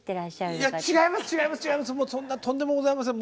いや違います